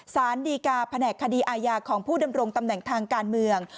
สารดีกาแผนกคดีอาญาของผู้ดำรงตำแหน่งทางการเมือง